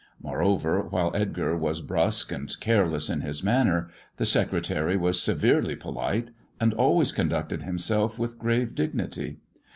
Moreover, while Edgar was brusque and careless in his manner, the secretary was severely polite, and always conducted himself with grave dignity.